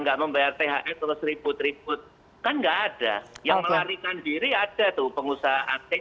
enggak membayar thr terus ribut ribut kan enggak ada yang melarikan diri ada tuh pengusaha atik